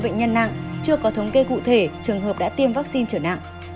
hai trăm hai mươi bệnh nhân nặng chưa có thống kê cụ thể trường hợp đã tiêm vaccine trở nặng